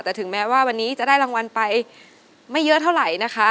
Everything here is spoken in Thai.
แต่ถึงแม้ว่าวันนี้จะได้รางวัลไปไม่เยอะเท่าไหร่นะคะ